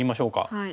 はい。